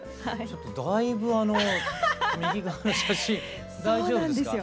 だいぶ右側の写真大丈夫ですか？